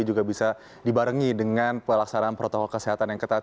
juga bisa dibarengi dengan pelaksanaan protokol kesehatan yang ketat